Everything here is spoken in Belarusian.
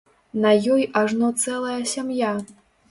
На ёй ажно цэлая сям'я.